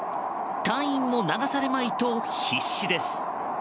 隊員も流されまいと必死です。